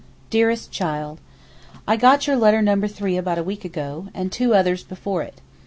DEAREST CHILD, I got your letter No. 3 about a week ago, and two others before it.